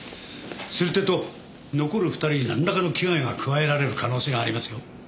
するってえと残る２人になんらかの危害が加えられる可能性がありますよ。